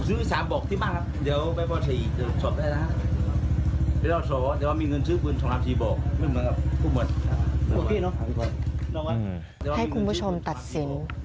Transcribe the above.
อืมให้คุณผู้ชมตัดสิน